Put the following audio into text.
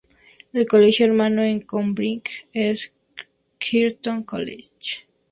El colegio hermano en Cambridge es Girton College.